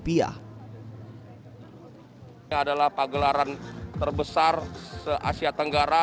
ini adalah pagelaran terbesar se asia tenggara